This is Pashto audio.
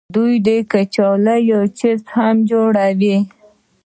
دوی د کچالو چپس هم جوړوي.